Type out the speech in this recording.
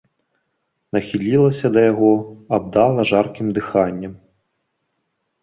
Нахілілася да яго, абдала жаркім дыханнем.